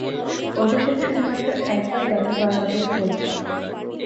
ওদের সাথে শুধুমাত্র একবার দেখা করার কথাই তো বলছি।